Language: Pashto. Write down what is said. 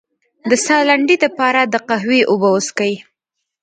د ساه لنډۍ لپاره د قهوې اوبه وڅښئ